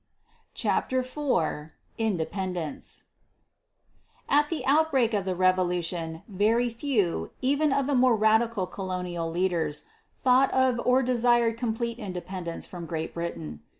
CHAPTER IV INDEPENDENCE At the outbreak of the Revolution very few, even of the more radical colonial leaders, thought of or desired complete independence from Great Britain.